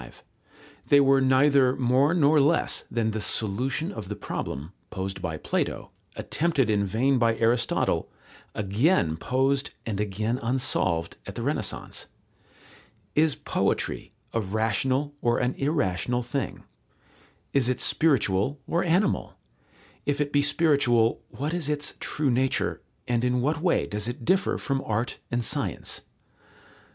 They were neither more nor less than the solution of the problem, posed by Plato, attempted in vain by Aristotle, again posed and again unsolved at the Renaissance. Is poetry a rational or an irrational thing? Is it spiritual or animal? If it be spiritual, what is its true nature, and in what way does it differ from art and science?